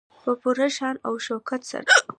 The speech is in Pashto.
په پوره شان او شوکت سره.